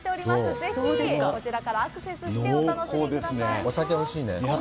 ぜひこちらからアクセスしてお楽しみください。